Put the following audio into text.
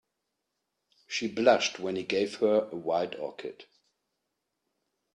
She blushed when he gave her a white orchid.